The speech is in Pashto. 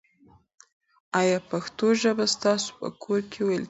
آیا پښتو ژبه ستاسو په کور کې ویل کېږي؟